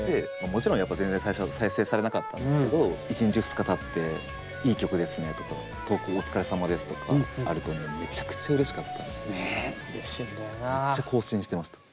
もちろんやっぱ全然最初は再生されなかったんですけど１日２日たって「いい曲ですね」とか「投稿お疲れさまです」とかあるとめっちゃ更新してました。